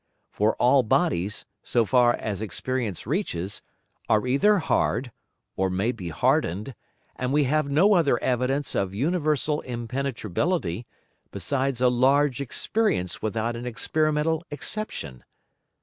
For all Bodies, so far as Experience reaches, are either hard, or may be harden'd; and we have no other Evidence of universal Impenetrability, besides a large Experience without an experimental Exception.